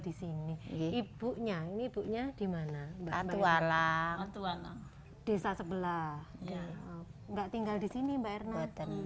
di sini ibunya ini ibunya dimana mbak tuala desa sebelah nggak tinggal di sini mbak erna dan